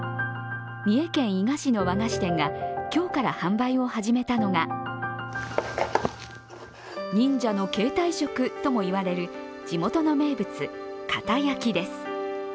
三重県伊賀市の和菓子店が今日から販売を始めたのが忍者の携帯食ともいわれる地元の名物、かたやきです。